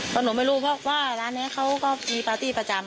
เพราะหนูไม่รู้เพราะว่าร้านนี้เขาก็มีปาร์ตี้ประจำ